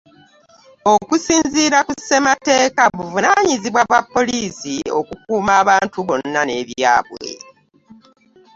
Okusinziira ku ssemateeka buvunanyizibwa bwa poliisi okukuuma abantu bonna n’ebyabwe.